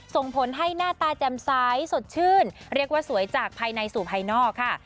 ส่งผลให้หน้าตาแจ่มซ้ายสดชื่นเรียกว่าสวยจากภายในสู่ภายนอกค่ะ